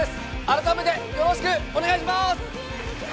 改めてよろしくお願いしまーす！